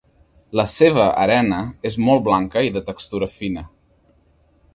La seva arena és molt blanca i de textura fina.